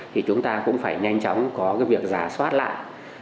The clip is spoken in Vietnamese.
thì chúng ta cũng phải nhanh chóng có cái việc giả soát lại